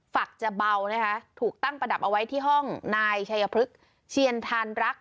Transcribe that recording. ฝักจะเบานะคะถูกตั้งประดับเอาไว้ที่ห้องนายชัยพฤกษ์เชียนทานรัก